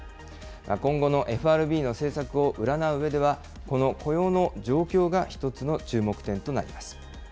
今後のＦＲＢの政策を占ううえでは、この雇用の状況が一つの注目点となります。